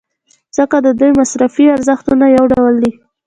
ځکه د دوی مصرفي ارزښتونه یو ډول دي.